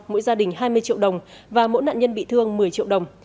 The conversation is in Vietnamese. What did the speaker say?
mỗi gia đình hai mươi triệu đồng và mỗi nạn nhân bị thương một mươi triệu đồng